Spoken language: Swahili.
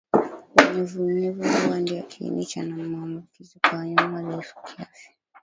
unyevunyevu huwa ndio kiini cha maambukizi kwa wanyama wadhaifu kiafya